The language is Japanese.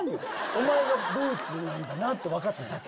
お前がブーツなんだなって分かっただけ。